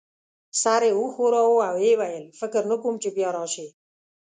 سر یې وښوراوه او ويې ویل: فکر نه کوم چي بیا راشې.